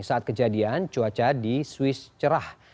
saat kejadian cuaca di swiss cerah